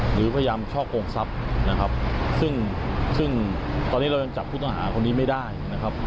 หรือพยายามช่อกงทรัพย์นะครับซึ่งซึ่งตอนนี้เรายังจับผู้ต้องหาคนนี้ไม่ได้นะครับ